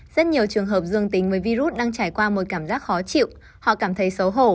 rất nhiều trường hợp dương tính với virus đang trải qua một cảm giác khó chịu họ cảm thấy xấu hổ